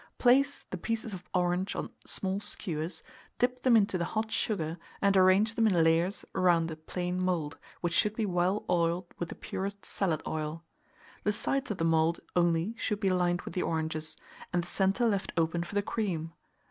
Place the pieces of orange on small skewers, dip them into the hot sugar, and arrange them in layers round a plain mould, which should be well oiled with the purest salad oil. The sides of the mould only should be lined with the oranges, and the centre left open for the cream.